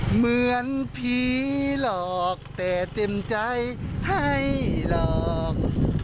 เหมือนผีหลอกแต่เต็มใจให้หลอก